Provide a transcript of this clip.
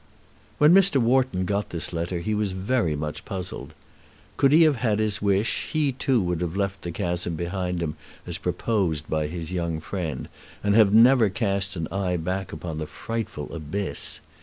When Mr. Wharton got this letter he was very much puzzled. Could he have had his wish, he too would have left the chasm behind him as proposed by his young friend, and have never cast an eye back upon the frightful abyss.